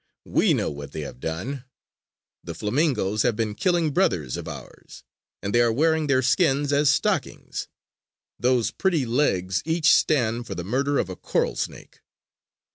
We know what they have done! The flamingoes have been killing brothers of ours, and they are wearing their skins as stockings! Those pretty legs each stand for the murder of a coral snake!"